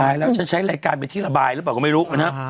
ใช่แล้วฉันใช้รายการเป็นที่ระบายหรือเปล่าก็ไม่รู้นะครับ